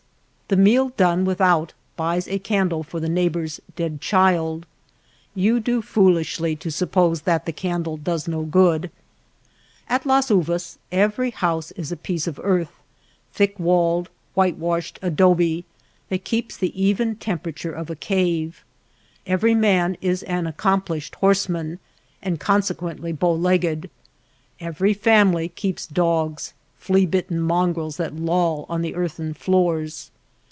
The meal done without buys a candle for the neighbor's dead child. You do foolishly to suppose that the candle does no good. At Las Uvas every house is a piece of earth — thick v/alled, whitewashed adobe that keeps the even temperature of a cave ; every man is an accomplished horseman and consequently bow legged ; every family keeps dogs, flea bitten mongrels that loll on the earthen floors.